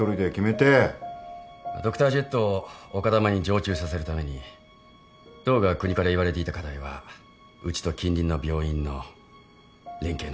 ドクタージェットを丘珠に常駐させるために道が国から言われていた課題はうちと近隣の病院の連携の悪さでした。